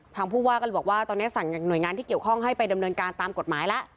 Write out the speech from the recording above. ผู้ว่าก็เลยบอกว่าตอนนี้สั่งหน่วยงานที่เกี่ยวข้องให้ไปดำเนินการตามกฎหมายแล้ว